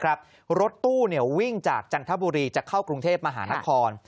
รถตู้วิ่งจากจันทบุรีจะเข้ากรุงเทพมหานคร